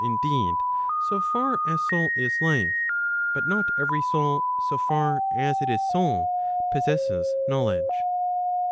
indeed, so far as soul is life, but not every soul, so far as it is soul possesses knowledge.